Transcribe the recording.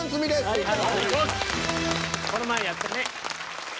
この前やったね。